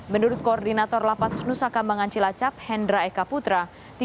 menurut koordinator lapas nusa kambangan cilacap hendra eka putra